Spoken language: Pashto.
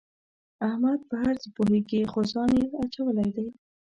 احمد په هر څه پوهېږي خو ځان یې اچولی دی.